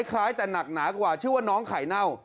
คล้ายแต่หนักหนากว่าชื่อว่าน้องไข่เน่า